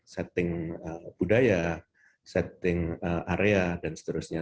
setting budaya setting area dan seterusnya